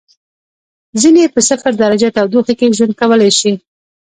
ځینې یې په صفر درجه تودوخې کې ژوند کولای شي.